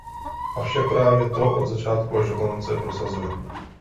Avšak právě to od začátku až do konce prosazuje.